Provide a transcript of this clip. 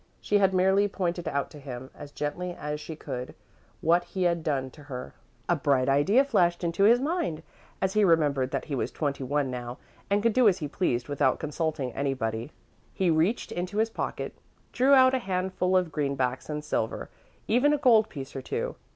She had merely pointed out to him, as gently as she could, what he had done to her. A bright idea flashed into his mind, as he remembered that he was twenty one now and could do as he pleased without consulting anybody. He reached into his pocket, drew out a handful of greenbacks and silver, even a gold piece or two.